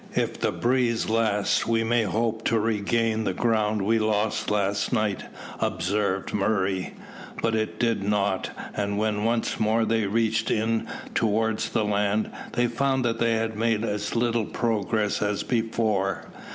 "If the breeze lasts we may hope to regain the ground we lost last night," observed Murray. But it did not; and when once more they reached in towards the land, they found that they had made as little progress as before.